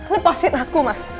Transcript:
lepasin aku mas